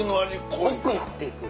濃くなって行く。